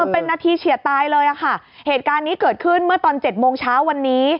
เป็นนาทีเฉียดตายเลยค่ะเหตุการณ์นี้เกิดขึ้นเมื่อตอน๗โมงเช้าวันนี้